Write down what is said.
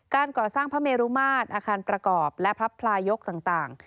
การก่อสร้างพระเมรุมาตรอาคารประกอบและพระพลายกต่าง